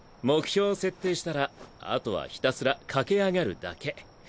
目標を設定したらあとはひたすら駆け上がるだけ。